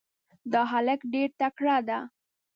دا هلک ډېر تکړه ده.